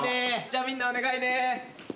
じゃあみんなお願いね。